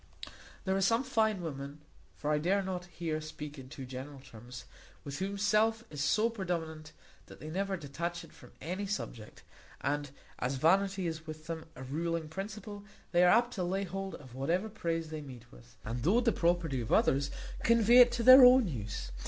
There are some fine women (for I dare not here speak in too general terms) with whom self is so predominant, that they never detach it from any subject; and, as vanity is with them a ruling principle, they are apt to lay hold of whatever praise they meet with; and, though the property of others, convey it to their own use.